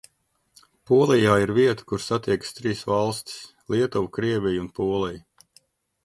Polijā ir vieta, kur satiekas trīs valstis - Lietuva, Krievija un Polija.